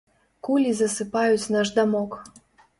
Кулі засыпаюць наш дамок.